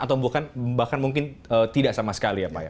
atau bahkan mungkin tidak sama sekali ya pak ya